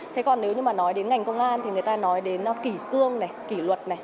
thế còn nếu như mà nói đến ngành công an thì người ta nói đến kỷ cương này kỷ luật này